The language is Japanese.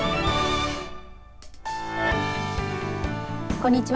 こんにちは。